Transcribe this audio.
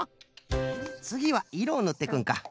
つぎはいろをぬっていくんか。